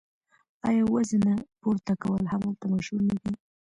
آیا وزنه پورته کول هم هلته مشهور نه دي؟